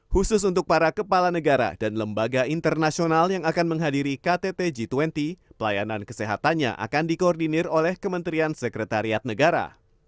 khusus untuk para kepala negara dan lembaga internasional yang akan menghadiri ktt g dua puluh pelayanan kesehatannya akan dikoordinir oleh kementerian sekretariat negara